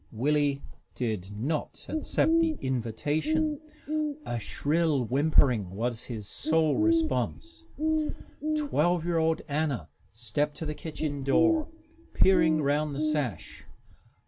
Willie did not accept the invitation. A shrill whimpering was his sole response. Twelve year old Anna stepped to the kitchen door, peering round the sash.